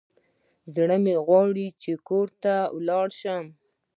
زړه مي غواړي چي کور ته ولاړ سم.